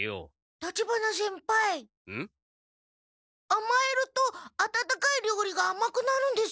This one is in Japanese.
あまえると温かい料理があまくなるんですか？